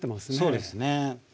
そうですね。